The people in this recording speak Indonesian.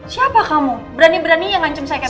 siapa kamu berani berani yang ngancam saya kembali